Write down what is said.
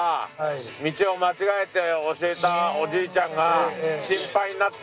道を間違えて教えたおじいちゃんが。